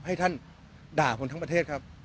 ให้ท่านด่าคนทั้งประเทศครับ